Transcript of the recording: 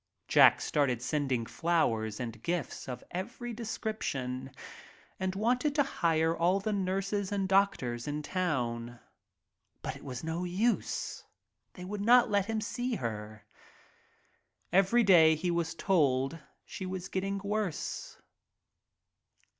Jack started sending flowers and gifts of every description and wanted to hire all the nurses and doctors in town. But it was no use, they would not .. 54 A BATTLE ROYAL let him see her. Every day he was told she was getting worse.